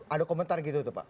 ada komentar gitu pak